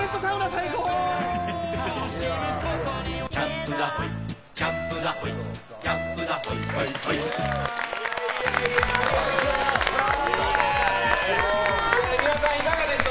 最高でした！